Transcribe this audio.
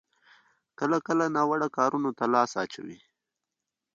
کله کله ناوړه کارونو ته لاس اچوي.